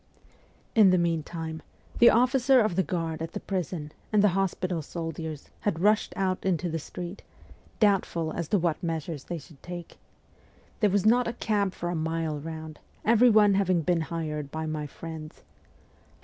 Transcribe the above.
In the meantime the officer of the guard at the prison and the hospital soldiers had rushed out into the street, doubtful as to what measures they should take. There was not a cab for a mile round, every one having been hired by my friends.